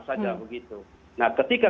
saja begitu nah ketika